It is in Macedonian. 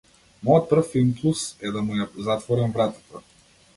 Мојот прв имплус е да му ја затворам вратата.